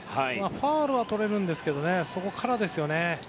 ファウルはとれるんですけどそこからですよね。